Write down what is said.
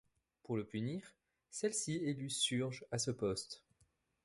Pour le punir, celle-ci élut Surge à ce poste.